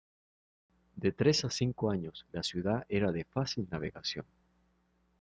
De tres a cinco años, la ciudad era de fácil navegación.